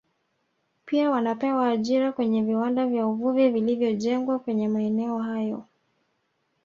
Pia wanapewa ajira kwenye viwanda vya uvuvi vilivyojengwa kwenye maeneo hayo